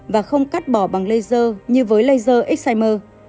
và không cắt bỏ bằng laser như với laser exximer